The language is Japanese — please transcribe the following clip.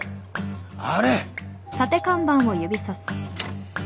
あれ。